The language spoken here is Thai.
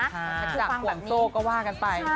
ภาพจากฝั่งโซกัวว่ากันไป